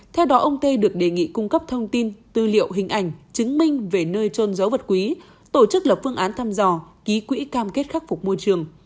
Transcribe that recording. theo đó ông tê được đề nghị cung cấp thông tin tư liệu hình ảnh chứng minh về nơi trôn dấu vật quý tổ chức lập phương án thăm dò ký quỹ cam kết khắc phục môi trường